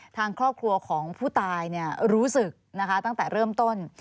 ทางครอบครัวของผู้ตายรู้สึกนะคะตั้งแต่เริ่มต้น